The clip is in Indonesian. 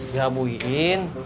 gak bu iin